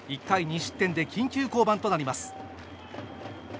１回２失点で緊急降板となります。